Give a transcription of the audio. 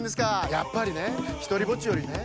やっぱりねひとりぼっちよりね